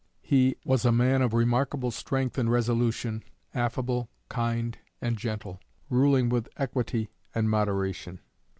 He as a man of remarkable strength and resolution, affable, kind and gentle, ruling with equity and moderation.